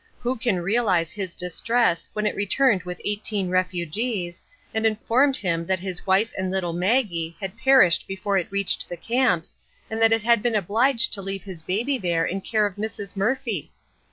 Who can realize his distress when it returned with eighteen refugees, and informed him that his wife and little Maggie had perished before it reached the camps, and that it had been obliged to leave his baby there in care of Mrs. Murphy?